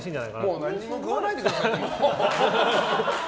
もう何も食わないでください。